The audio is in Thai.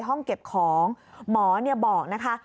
ห้องเก็บของหมอบอกนะคะ